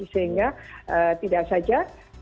sehingga tidak saja pelaku yang berpengaruh